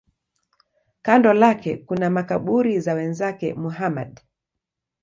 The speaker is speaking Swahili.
Kando lake kuna makaburi ya wenzake Muhammad.